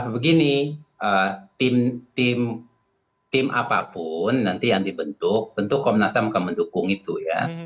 begini tim apapun nanti yang dibentuk tentu komnasam akan mendukung itu ya